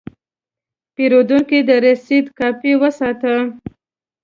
پیرودونکی د رسید کاپي وساته.